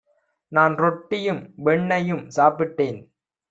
நான் ரொட்டியும் வெண்ணையும் சாப்பிட்டேன்.